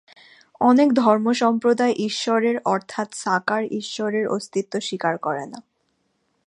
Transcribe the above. অনেক ধর্মসম্প্রদায় ঈশ্বরের অর্থাৎ সাকার ঈশ্বরের অস্তিত্ব স্বীকার করে না।